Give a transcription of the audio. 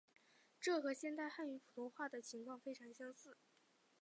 这和现代汉语普通话的情况非常类似。